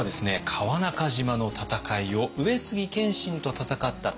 川中島の戦いを上杉謙信と戦った武田信玄。